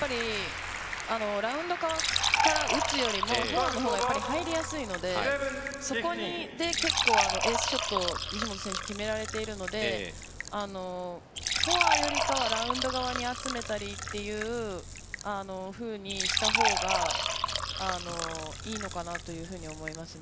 ラウンド側から打つよりもフォアの方が入りやすいのでそこでエースショットを西本選手、決められているのでフォアよりかはラウンド側に集めたりというふうにした方がいいのかなと思いますね。